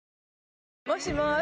もしもーし